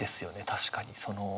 確かに。